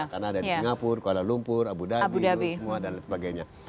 karena ada di singapura kuala lumpur abu dhabi semua dan sebagainya